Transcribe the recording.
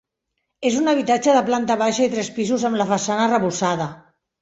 És un habitatge de planta baixa i tres pisos amb la façana arrebossada.